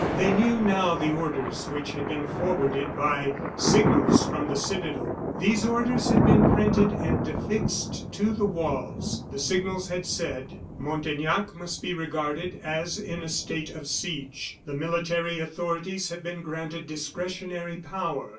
They knew now the orders which had been forwarded by signals from the citadel. These orders had been printed and affixed to the walls. The signals had said: "Montaignac must be regarded as in a state of siege. The military authorities have been granted discretionary power.